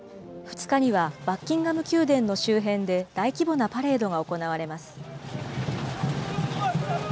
２日にはバッキンガム宮殿の周辺で、大規模なパレードが行われます。